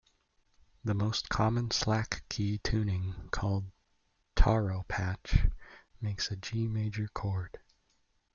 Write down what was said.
The most common slack key tuning, called "taro patch," makes a G major chord.